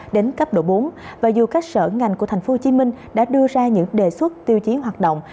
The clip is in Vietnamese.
đến cấp độ bốn và dù các sở ngành của tp hcm đã đưa ra những đề xuất tiêu chí hoạt động